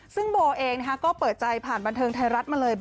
ซึ่งโบเองนะคะเปิดใจพาห์บรรเทิงไทยรัฐมาเลย